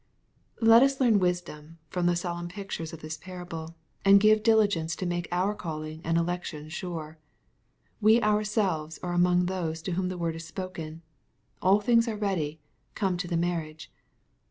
'' Let us learn wisdom from the solemn pictures of this parable, and give diligence to make our calling and elec tion sure. We ourselves are among those to whom the word is spoken, "All things are ready, come to the marriage."